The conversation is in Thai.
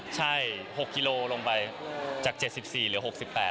ใช่๖กิโลลงไปจาก๗๔หรือ๖๘